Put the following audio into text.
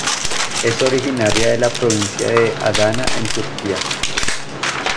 Es originaria de la provincia de Adana en Turquía.